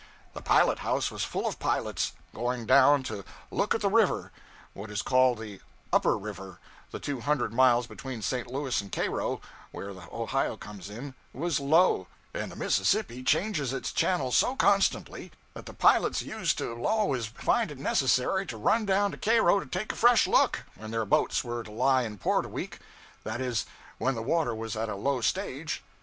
The pilot house was full of pilots, going down to 'look at the river.' What is called the 'upper river' (the two hundred miles between St. Louis and Cairo, where the Ohio comes in) was low; and the Mississippi changes its channel so constantly that the pilots used to always find it necessary to run down to Cairo to take a fresh look, when their boats were to lie in port a week; that is, when the water was at a low stage.